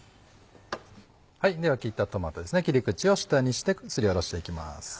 では切ったトマト切り口を下にしてすりおろしていきます。